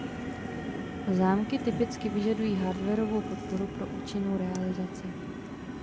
Zámky typicky vyžadují hardwarovou podporu pro účinnou realizaci.